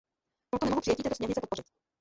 Proto nemohu přijetí této směrnice podpořit.